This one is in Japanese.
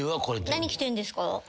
何着てんですか？